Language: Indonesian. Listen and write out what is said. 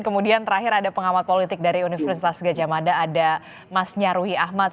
kemudian terakhir ada pengamat politik dari universitas gajah mada ada mas nyarwi ahmad